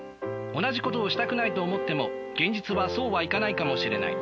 同じことをしたくないと思っても現実はそうはいかないかもしれない。